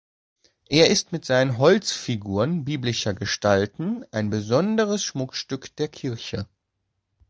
Er ist mit seinen Holzfiguren biblischer Gestalten ein besonderes Schmuckstück der Kirche.